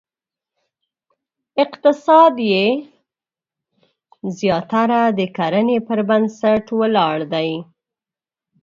اقتصاد یې زیاتره د کرنې پر بنسټ ولاړ دی.